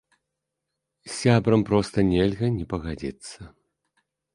З сябрам проста нельга не пагадзіцца.